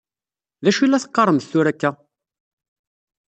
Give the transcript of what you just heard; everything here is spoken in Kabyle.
D acu i la teqqaṛemt tura akka?